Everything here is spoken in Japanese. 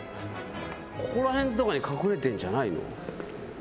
ここら辺とかに隠れてんじゃないの？